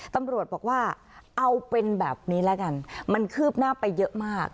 ตำรวจบอกว่าเอาเป็นแบบนี้แล้วกันมันคืบหน้าไปเยอะมาก